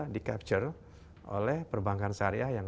di capture oleh perbankan syariah yang